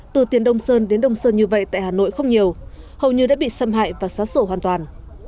từ tiền đông sơn đến đông sơn như vậy tại hà nội không nhiều hầu như đã bị xâm hại và xóa sổ hoàn toàn